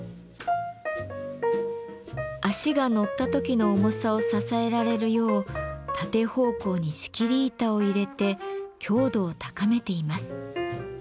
足が乗った時の重さを支えられるよう縦方向に仕切り板を入れて強度を高めています。